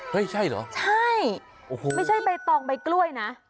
ไม่ใช่ใบตองใบกล้วยนะ